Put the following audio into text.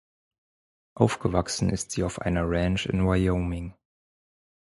Aufgewachsen ist sie auf einer Ranch in Wyoming.